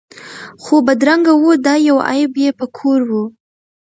خو بدرنګه وو دا یو عیب یې په کور وو